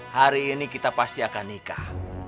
hari ini kita pasti akan nikah